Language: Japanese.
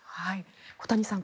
小谷さん